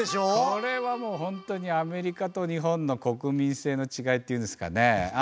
これはもう本当にアメリカと日本の国民性の違いっていうんですかね。